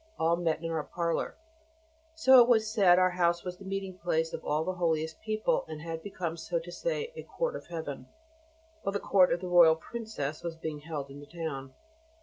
all met in our parlour, so that it was said our house was the meeting place of all the holiest people, and had become, so to say, a court of Heaven, while the court of the Royal Princess was being held in the town.